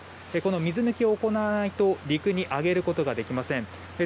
水抜きを行わないと陸に揚げることができません。